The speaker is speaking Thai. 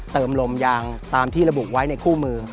เติมลมยางตามที่ระบุไว้ในคู่มือ